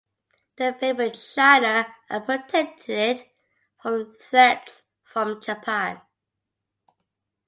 They favored China and protected it from threats from Japan.